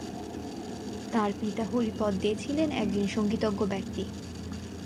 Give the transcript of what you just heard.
তাঁর পিতা হরিপদ দে ছিলেন একজন সঙ্গীতজ্ঞ ব্যক্তি।